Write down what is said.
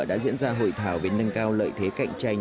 đã diễn ra hội thảo về nâng cao lợi thế cạnh tranh